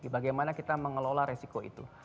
bagaimana kita mengelola resiko itu